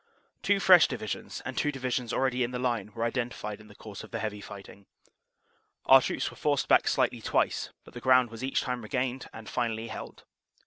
Two fresh divi sions and two divisions already in the line were identified in 151 152 CANADA S HUNDRED DAYS the course of the heavy fighting. Our troops were forced back slightly twice, but the ground was each time regained and finally held.